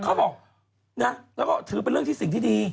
เขาบอกนะแล้วก็ถือเป็นเรื่องที่สิ่งที่ดี